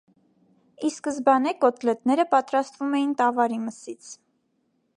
Ի սկզբանե կոտլետները պատրաստվում էին տավարի մսից։